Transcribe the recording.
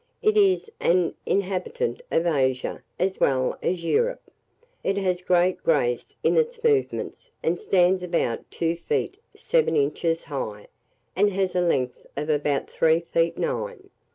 It is an inhabitant of Asia, as well as of Europe. It has great grace in its movements, and stands about two feet seven inches high, and has a length of about three feet nine.